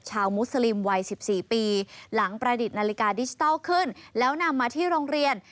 มุสลิมวัย๑๔ปีหลังประดิษฐ์นาฬิกาดิจิทัลขึ้นแล้วนำมาที่โรงเรียน